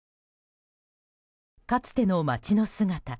かつての街の姿。